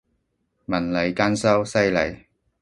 文理兼修，犀利！